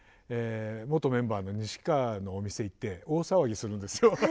元メンバーの西川のお店行って大騒ぎするんですよ。